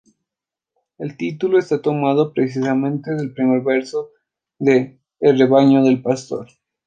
El título está tomado precisamente del primer verso de "El rebaño del pastor".